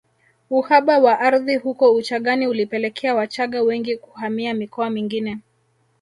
Uhaba wa ardhi huko Uchagani ulipelekea Wachagga wengi kuhamia mikoa mingine